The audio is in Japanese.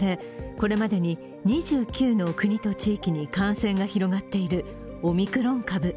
これまでに２９の国と地域に感染が広がっているオミクロン株。